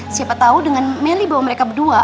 siapa tau dengan nelly bawa mereka berdua